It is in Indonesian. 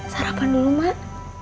sarapan dulu mak